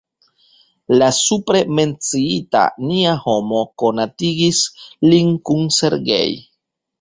La supre menciita Nia Homo konatigis lin kun Sergej.